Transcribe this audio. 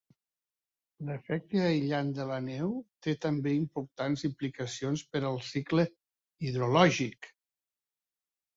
L'efecte aïllant de la neu té també importants implicacions per al cicle hidrològic.